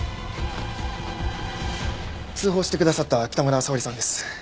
通報してくださった北村沙織さんです。